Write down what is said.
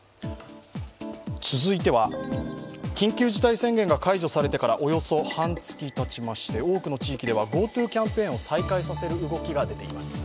続いては、緊急事態宣言が解除されてからおよそ半月たちまして多くの地域ではＧｏＴｏキャンペーンを再開させる動きが出ています。